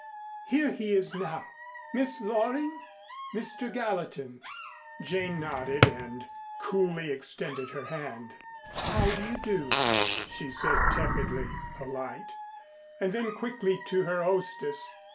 Here he is now. Miss Loring Mr. Gallatin." Jane nodded and coolly extended her hand. "How do you do," she said, tepidly polite, and then quickly to her hostess.